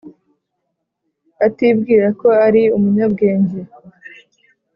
atibwira ko ari umunyabwenge